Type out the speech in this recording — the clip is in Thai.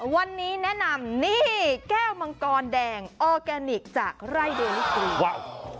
วันนี้แนะนำนี่แก้วมังกรแดงออร์แกนิคจากไร่เดลิฟูวาว